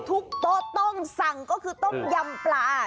โต๊ะต้องสั่งก็คือต้มยำปลา